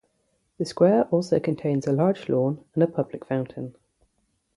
The square also contains a large lawn and a public fountain.